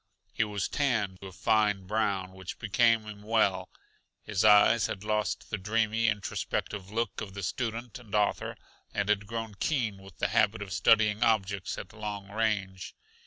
He was tanned a fine brown, which became him well. His eyes had lost the dreamy, introspective look of the student and author, and had grown keen with the habit of studying objects at long range.